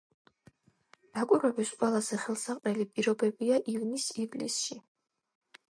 დაკვირვების ყველაზე ხელსაყრელი პირობებია ივნის-ივლისში.